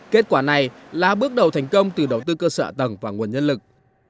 kết quả này là bước đầu thành công từ đầu tư cơ sở tầng và nguồn nhân lực